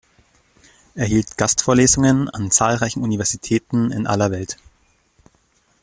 Er hielt Gastvorlesungen an zahlreichen Universitäten in aller Welt.